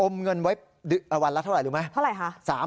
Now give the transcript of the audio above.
เงินไว้วันละเท่าไหร่รู้ไหมเท่าไหร่คะ